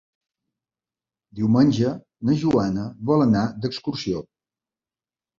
Diumenge na Joana vol anar d'excursió.